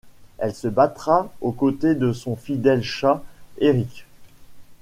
Elle se battra aux côtés de son fidèle chat, Éric.